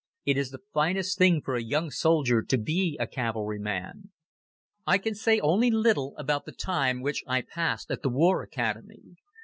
It is the finest thing for a young soldier to be a cavalry man. I can say only little about the time which I passed at the War Academy.